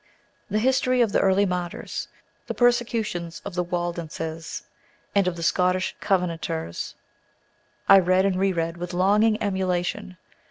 The history of the early martyrs, the persecutions of the Waldenses and of the Scotch Covenanters, I read and re read with longing emulation!